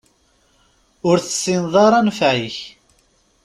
Ur tessineḍ ara nnfeɛ-ik.